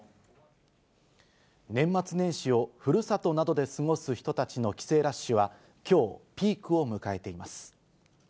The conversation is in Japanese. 年末年始をふるさとなどで過ごす人たちの帰省ラッシュは、きょう、ピークを迎えています。